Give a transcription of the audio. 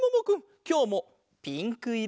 きょうもピンクいろだな。